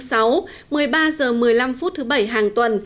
một mươi ba h một mươi năm phút thứ bảy hàng tuần